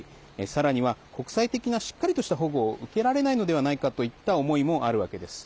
さらには国際的なしっかりとした保護を受けられなくなるのではないかという思いもあります。